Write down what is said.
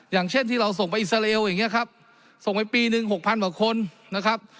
อย่างเช่นที่เราส่งไปอิสราเอลอย่างนี้ครับส่งไปปีหนึ่งหกพันกว่าคนนะครับ